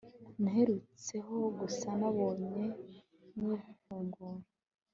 naherutseho gusa nabaye nyifungura